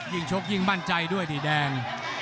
ชกยิ่งมั่นใจด้วยดิแดง